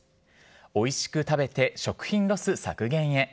おいしく食べて食品ロス削減へ。